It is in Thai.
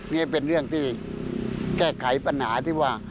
นี่เป็นเรื่องที่แก้ไขปัญหาที่ว่า